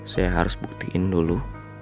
saya harus buktiin dulu